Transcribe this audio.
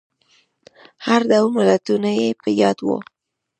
هر ډول متلونه يې په ياد وو.